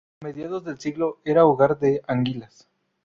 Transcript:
A mediados del siglo era hogar de anguilas.